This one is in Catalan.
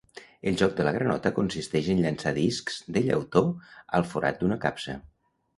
El joc de la granota consisteix en llançar discs de llautó al forat d'una capsa.